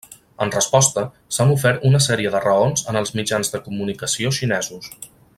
En resposta, s'han ofert una sèrie de raons en els mitjans de comunicació xinesos.